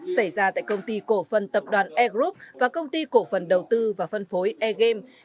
xảy ra tại công ty cổ phần tập đoàn air group và công ty cổ phần đầu tư và phân phối air game